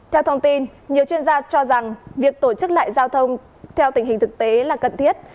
theo thông tin nhiều chuyên gia cho rằng việc tổ chức lại giao thông theo tình hình thực tế là cần thiết